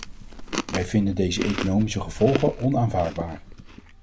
Wij vinden deze economische gevolgen onaanvaardbaar.